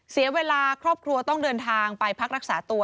เสียเวลาครอบครัวต้องเดินทางไปพักรักษาตัว